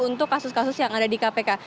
untuk kasus kasus yang ada di kpk